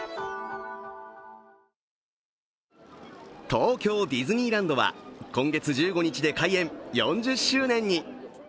東京ディズニーランドは今月１５日で開園４０周年に。